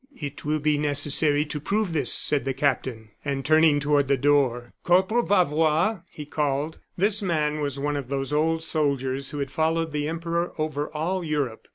"It will be necessary to prove this," said the captain. And turning toward the door: "Corporal Bavois!" he called. This man was one of those old soldiers who had followed the Emperor over all Europe.